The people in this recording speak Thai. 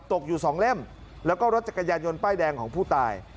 ตกอยู่สองเล่มแล้วก็รถจักรยานยนต์ป้ายแดงของผู้ตาย